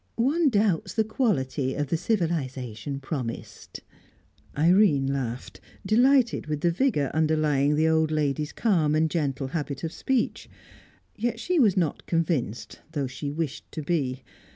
One doubts the quality of the civilisation promised." Irene laughed, delighted with the vigour underlying the old lady's calm and gentle habit of speech. Yet she was not convinced, though she wished to be.